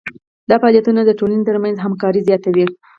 دا فعالیتونه د ټولنې ترمنځ همکاري زیاتوي.